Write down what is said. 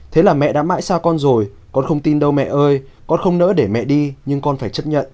thế là mẹ đã mãi xa con rồi con không tin đâu mẹ ơi con không đỡ để mẹ đi nhưng con phải chấp nhận